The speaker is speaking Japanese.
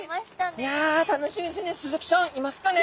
いや楽しみですね。